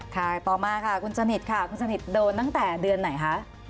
ค่ะต่อมาค่ะคุณสนิทค่ะคุณสนิทโดนตั้งแต่เดือนไหนคะ